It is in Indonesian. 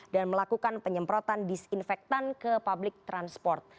dan melakukan penyemprotan disinfektan ke public transport